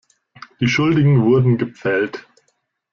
Die Schuldigen wurden gepfählt.